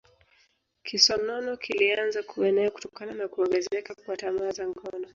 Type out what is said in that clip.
Kisonono kilianza kuenea kutokana na kuongezeka kwa tamaa za ngono